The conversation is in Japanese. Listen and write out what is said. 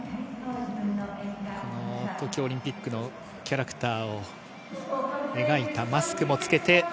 東京オリンピックのキャラクターを描いたマスクをつけて。